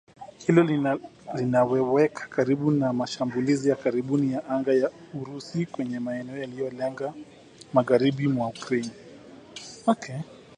Hilo linawaweka karibu na mashambulizi ya karibuni ya anga ya Urusi kwenye maeneo yaliyolenga magharibi mwa Ukraine